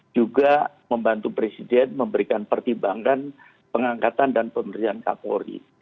juga membantu presiden memberikan pertimbangan pengangkatan dan penerian ke polri